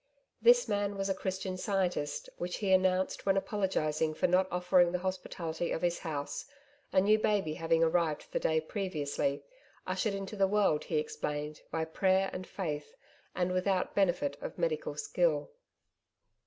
This man was a Christian Scientist which he announced when apologising for not offering the hospitality of his house, a new baby having arrived the day previously, ushered into the world, he explained, by prayer and faith and without benefit of medical skill.